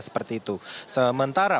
seperti itu sementara